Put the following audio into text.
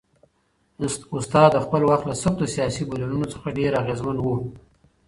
استاد د خپل وخت له سختو سیاسي بدلونونو څخه ډېر اغېزمن و.